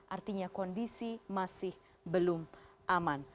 artinya kondisi masih belum aman